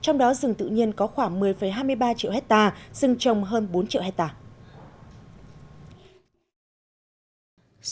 trong đó rừng tự nhiên có khoảng một mươi hai mươi ba triệu hectare rừng trồng hơn bốn triệu hectare